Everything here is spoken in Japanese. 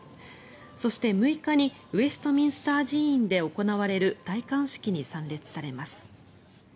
そして、６日にウェストミンスター寺院で行われる戴冠式に参列されます。